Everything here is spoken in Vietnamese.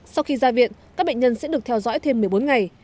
sau khi ra viện các bệnh nhân sẽ được theo dõi thêm một mươi bốn ngày